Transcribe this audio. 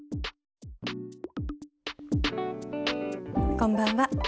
こんばんは。